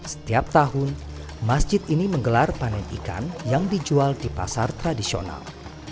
setiap tahun masjid ini menggelar panen ikan yang dijual di pasar tradisional